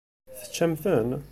Teččam-ten?